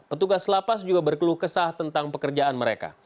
petugas lapas juga berkeluh kesah tentang pekerjaan mereka